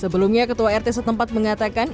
sebelumnya ketua rt setempat mengatakan